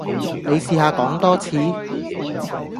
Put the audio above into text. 你試下講多次?